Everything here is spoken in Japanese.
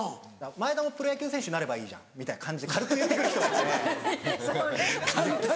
「前田もプロ野球選手になればいいじゃん」みたいな感じで軽く言って来る人がいて。